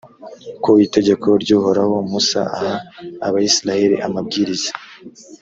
ku itegeko ry’uhoraho, musa aha abayisraheli amabwiriza